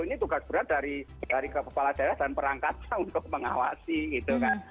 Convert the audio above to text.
ini tugas berat dari kepala daerah dan perangkatnya untuk mengawasi gitu kan